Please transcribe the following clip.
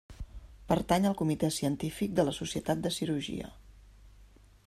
Pertany al Comitè Científic de la Societat de Cirurgia.